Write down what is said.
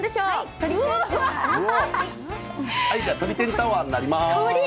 とり天タワーになります。